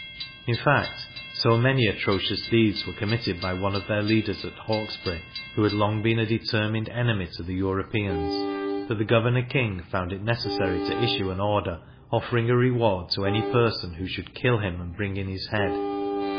In fact, so many atrocious deeds were committed by one of their leaders at Hawkesbury, who had long been a determined enemy to the Europeans, that Governor King found it necessary to issue an order, offering a reward to any person who should kill him and bring in his head.